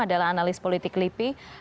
adalah analis politik lipi